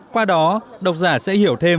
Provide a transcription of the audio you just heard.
qua đó đọc giả sẽ hiểu thêm